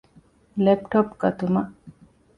ލެޕްޓޮޕް ގަތުމަށް.